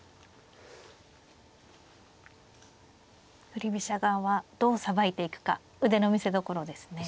振り飛車側はどうさばいていくか腕の見せどころですね。